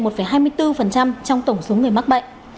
trong tổng số người mắc bệnh